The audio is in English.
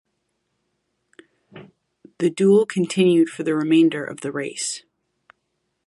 The duel continued for the remainder of the race.